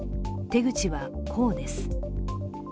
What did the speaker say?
手口はこうです。